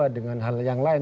dengan hal yang lain